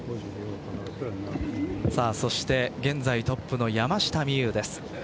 そして現在トップの山下美夢有です。